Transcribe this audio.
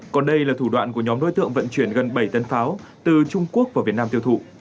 còn đây là thủ đoạn của nhóm đối tượng vận chuyển gần bảy tấn pháo từ trung quốc vào việt nam tiêu thụ